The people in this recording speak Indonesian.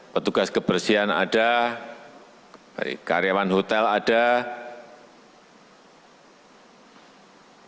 petugas kebersihan ada karyawan hotel ada ya komplit